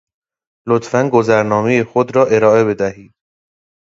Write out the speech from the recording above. لطفاَ گذرنامهٔ خود را ارائه بدهید.